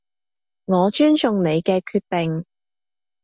我尊重你嘅決定